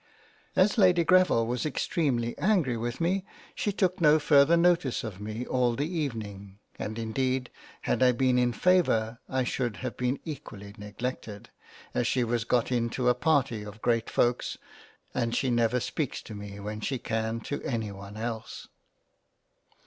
As Lady Greville was extremely angry with me, she took no further notice of me all the Evening, and indeed had I been in favour I should have been equally neglected, as she was got into a party of great folks and she never speaks to me when she can to anyone else.